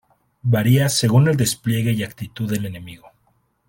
Varía según el despliegue y actitud del enemigo.